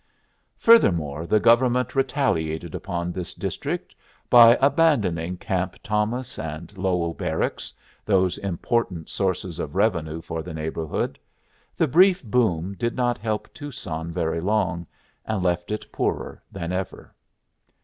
Furthermore, the government retaliated upon this district by abandoning Camp Thomas and Lowell Barracks, those important sources of revenue for the neighborhood. The brief boom did not help Tucson very long, and left it poorer than ever.